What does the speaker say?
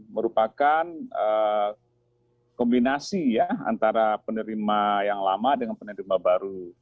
merupakan kombinasi ya antara penerima yang lama dengan penerima baru